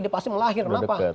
dia pasti melahir kenapa